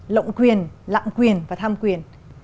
lộng quyền lạm quyền và tham quyền